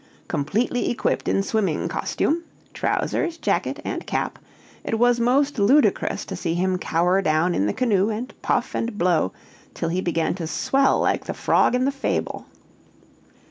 Completely equipped in swimming costume trousers, jacket, and cap it was most ludicrous to see him cower down in the canoe and puff and blow till he began to swell like the frog in the fable.